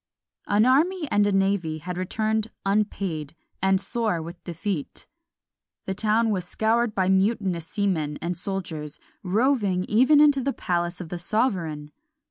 An army and a navy had returned unpaid, and sore with defeat. The town was scoured by mutinous seamen and soldiers, roving even into the palace of the sovereign.